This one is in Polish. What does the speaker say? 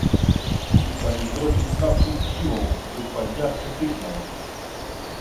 Musi Pani kroczyć naprzód z siłą, wysłać jasny sygnał